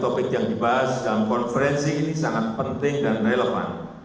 topik yang dibahas dalam konferensi ini sangat penting dan relevan